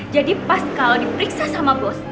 jadi pas kalo diperiksa sama bos